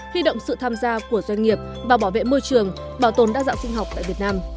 huy động sự tham gia của doanh nghiệp và bảo vệ môi trường bảo tồn đa dạng sinh học tại việt nam